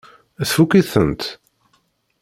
Tfukk-itent?